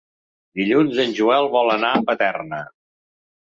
Dilluns en Joel vol anar a Paterna.